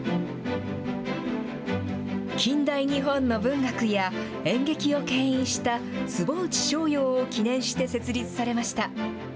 近代日本の文学や演劇をけん引した坪内逍遙を記念して設立されました。